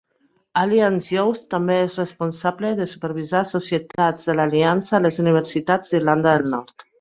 Alliance Youth també és responsable de supervisar societats de l'Aliança a les universitats d'Irlanda del Nord.